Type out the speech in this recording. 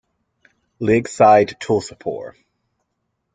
Lig side Tuzlaspor.